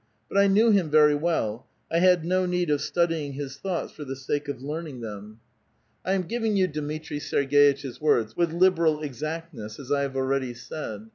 But I knew him very well ; I had no need of studying his thoughts for the sake of h^arning them." 328 A VITAL QUESTION. I am giving you Dmitri Serg^itch's words, with liberal ex* actiiess, as 1 have already said.